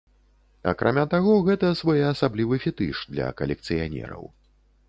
Акрамя таго гэта своеасаблівы фетыш для калекцыянераў.